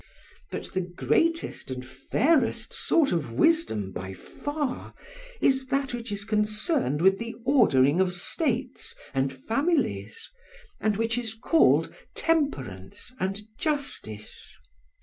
But the greatest and fairest sort of wisdom by far is that which is concerned with the ordering of states and families, and which is called temperance and justice.